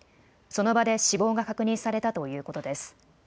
その場で死亡が確認されたということです。